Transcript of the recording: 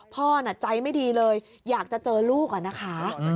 พ่อใจไม่ดีเลยอยากจะเจอลูกอะนะคะ